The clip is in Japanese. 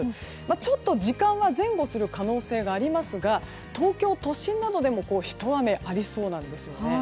ちょっと時間は前後する可能性がありますが東京都心などでもひと雨ありそうなんですよね。